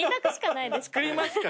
「作りますか？